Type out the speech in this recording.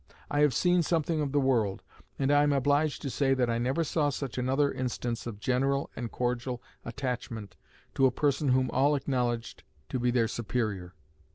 I have seen something of the world and I am obliged to say that I never saw such another instance of general and cordial attachment to a person whom all acknowledged to be their superior.